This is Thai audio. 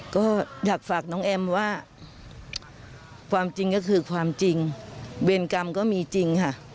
ก็อยากฝากน้องแอมว่าความจริงก็คือความจริงเวรกรรมก็มีจริงค่ะ